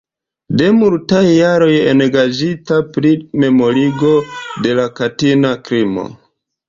De multaj jaroj engaĝita pri memorigo de la katina krimo.